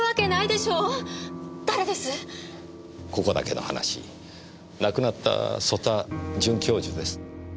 ここだけの話亡くなった曽田准教授です。